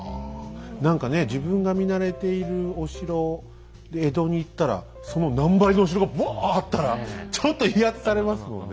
何かね自分が見慣れているお城江戸に行ったらその何倍のお城がぶわっあったらちょっと威圧されますもんね